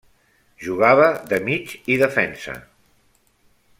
Jugava de mig i defensa.